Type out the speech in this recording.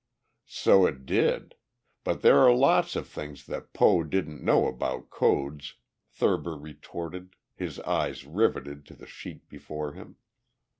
"So it did. But there are lots of things that Poe didn't know about codes." Thurber retorted, his eyes riveted to the sheet before him.